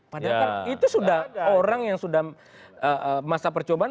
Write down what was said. padahal kan itu sudah orang yang sudah masa percobaan